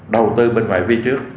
đầu tư bên ngoại vi trước